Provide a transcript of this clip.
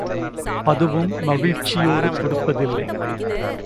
அதுவும் மகிழ்ச்சியோடு கொடுப்பதில்லை.